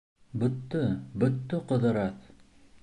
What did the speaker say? — Бөттө, бөттө, Ҡыҙырас!